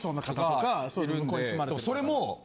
それも。